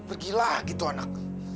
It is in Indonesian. pergi lagi tuh anak